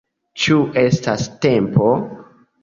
Ĉu estas tempo?